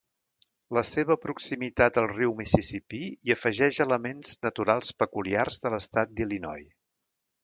La seva proximitat al riu Mississipí hi afegeix elements naturals peculiars de l'estat d'Illinois.